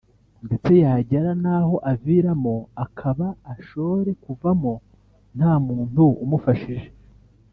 ndetse yagera n’ aho aviramo akaba ashore kuvamo nta muntu umufashije”